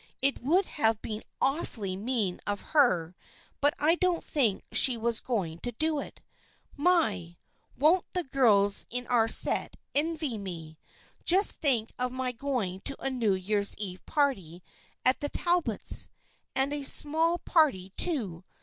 It would have been awfully mean of her, but I don't think she was going to do it. My ! Won't the girls in our set envy me ! Just think of my going to a New Year's Eve party at the Talbots', and a small party, too